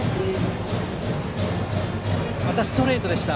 またストレートでした。